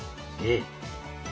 ええ。